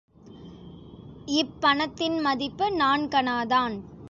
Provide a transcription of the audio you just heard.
இப் பணத்தின் மதிப்பு நான்கணாதான்.